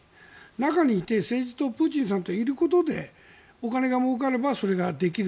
中にいて、政治とプーチンさんといることでお金がもうかればそれができる。